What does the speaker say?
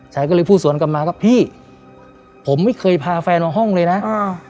ชายก็เลยพูดสวนกลับมาครับพี่ผมไม่เคยพาแฟนมาห้องเลยนะอ่า